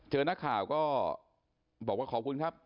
นักข่าวก็บอกว่าขอบคุณครับ